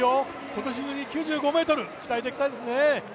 今年中に９５ｍ、期待できますね。